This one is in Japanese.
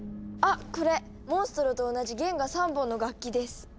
あっこれモンストロと同じ弦が３本の楽器です。